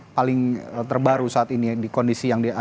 paling terbaru saat ini di kondisi yang